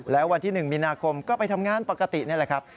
แล้ววันที่๑มีนาคมก็ไปทำงานปกตินี่แหละครับ